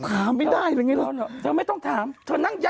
เข้าใจมั้ย